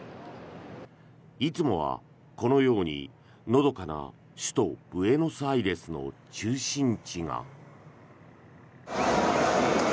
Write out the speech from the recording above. いつもはこのようにのどかな首都ブエノスアイレスの中心地が。